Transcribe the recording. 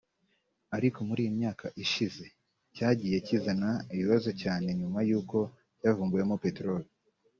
ariko muri iyi myaka ishize cyagiye kizana ibibazo cyane nyuma y’uko cyavumbuwemo peteroli